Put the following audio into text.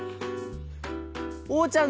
おうちゃん